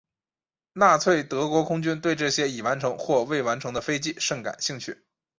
纳粹德国空军对这些已完成或未完成的飞机甚感兴趣。